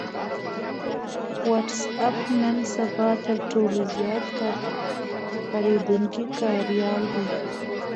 وټس اېپ نن سبا تر ټولو زيات کارېدونکی کاريال دی